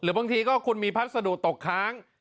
บางทีก็คุณมีพัสดุตกค้าง